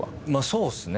そうっすね。